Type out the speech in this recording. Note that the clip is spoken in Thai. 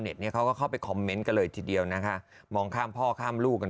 เขาก็เข้าไปคอมเมนต์กันเลยทีเดียวนะคะมองข้ามพ่อข้ามลูกกัน